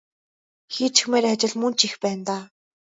Хийчихмээр ажил мөн ч их байна даа.